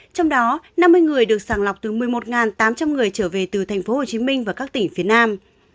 trong đó năm mươi người được sàng lọc từ một mươi một tám trăm linh người trở về từ tp hcm và các tỉnh phía nam